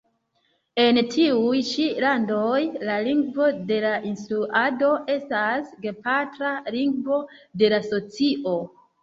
En tiuj ĉi landoj, la lingvo de instruado estas gepatra lingvo de la socio.